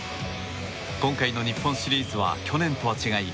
今回の日本シリーズは去年とは違い